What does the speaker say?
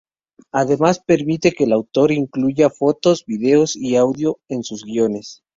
Además, permite que el autor incluya fotos, videos y audio en sus guiones.